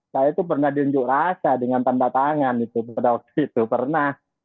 saya itu pernah diunjuk rasa dengan tanda tangan itu pada waktu itu pernah